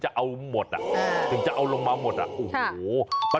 หรือเป็นแบบนี้ปะ